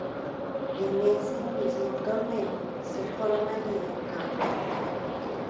En ese mismo torneo se coronaría campeón.